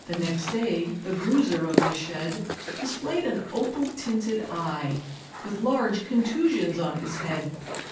Next day the bruiser of the shed Displayed an opal tinted eye, With large contusions on his head.